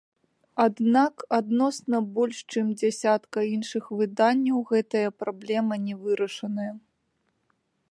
Аднак адносна больш чым дзясятка іншых выданняў гэтая праблема не вырашаная.